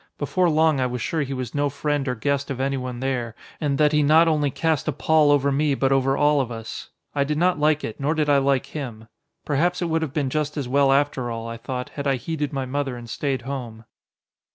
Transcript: Before long I was sure he was no friend or guest of anyone there, and that he not only cast a pall over me but over all of us. I did not like it, nor did I like him. Perhaps it would have been just as well after all, I thought, had I heeded my mother and stayed home.